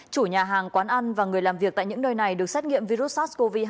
chủ nhà hàng quán ăn và người làm việc tại những nơi này được xét nghiệm virus sars cov hai